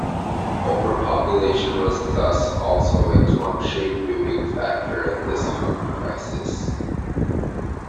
Overpopulation was thus also a contributing factor in this food crisis.